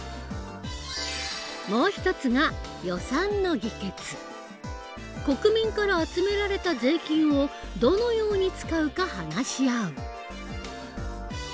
もう一つが国民から集められた税金をどのように使うか話し合う。